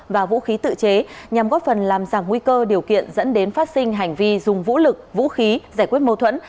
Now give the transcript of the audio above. và vũ khí tự chế nhằm góp phần làm giảm nguy cơ điều kiện dẫn đến phát sinh hành vi dùng vũ lực vũ khí giải quyết mâu thuẫn